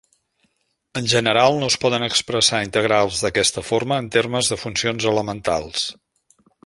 En general, no es poden expressar integrals d'aquesta forma en termes de funcions elementals.